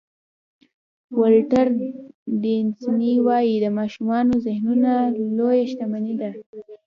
ولټر ډیسني وایي د ماشومانو ذهنونه لویه شتمني ده.